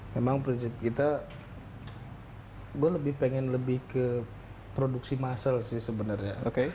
memang prinsip kita gue lebih pengen lebih ke produksi massal sih sebenarnya